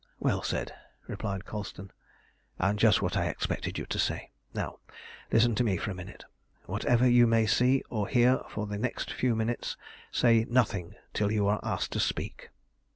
"Well said!" replied Colston, "and just what I expected you to say. Now listen to me for a minute. Whatever you may see or hear for the next few minutes say nothing till you are asked to speak.